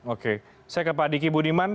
oke saya ke pak diki budiman